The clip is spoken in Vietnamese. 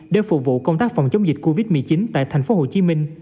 để phục vụ công tác phòng chống dịch covid một mươi chín tại tp hcm